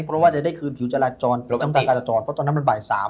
เพราะว่าจะได้คืนผิวจราจรเพราะตอนนั้นมันบ่าย๓